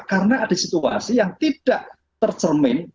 karena ada situasi yang tidak tercermin